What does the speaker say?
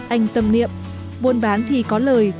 anh tâm niệm buôn bán thì có lời